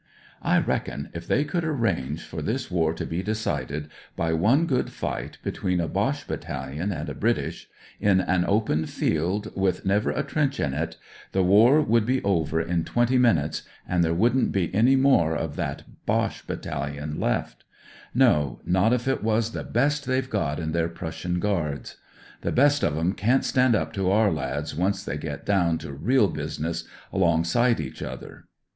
"I reckon, if they c uld arrange* < »r this war to be decided by on*™ ^Tf)od h^ between a Boche battel )n a i a Britisii. in one open field with i ver l or a AUSTRALI4N AS A FIGHTER 185 trench in it, the wai wou i be ovei m twenty minues, nd there vouldn't be any mere of that Boche battalion left; no, not if it was the best they've got in tleir Prussian Guards. The best of em can't stand up to our lads once tht \ get down CO rea business alongsi '■ eaci other.